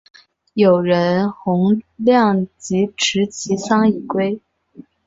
友人洪亮吉持其丧以归。